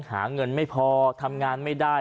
หาเงินไม่พอทำงานไม่ได้